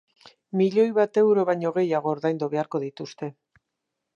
Milioi bat euro baino gehiago ordaindu beharko dituzte.